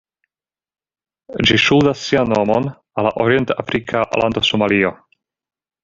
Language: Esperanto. Ĝi ŝuldas sian nomon al la orient-afrika lando Somalio.